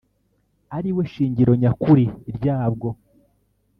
ari we shingiro nyakuri ryabwo